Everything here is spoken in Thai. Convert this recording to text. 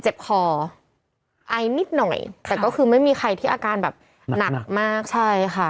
เจ็บคอไอนิดหน่อยแต่ก็คือไม่มีใครที่อาการแบบหนักมากใช่ค่ะ